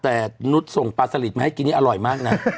แต่นุษย์ส่งปลาสลิดมาให้กินนี่อร่อยมากนะ